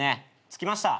着きました。